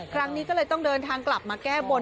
ครั้งนี้ก็เลยต้องเดินทางกลับมาแก้บน